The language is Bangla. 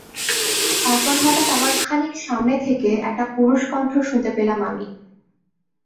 তারপর হঠাৎ আমার খানিক সামনে থেকে একটা পুরুষকণ্ঠ শুনতে পেলাম আমি।